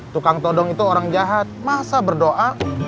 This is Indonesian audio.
tukang todong itu orang jahat masa berdoa